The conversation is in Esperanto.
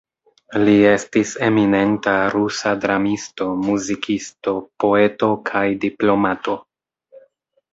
Li estis eminenta rusa dramisto, muzikisto, poeto kaj diplomato.